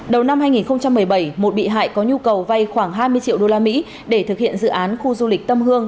đầu năm hai nghìn một mươi bảy một bị hại có nhu cầu vay khoảng hai mươi triệu usd để thực hiện dự án khu du lịch tâm hương